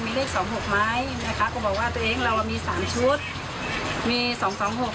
มีเลขสองหกไหมนะคะก็บอกว่าตัวเองเราอ่ะมีสามชุดมีสองสองหก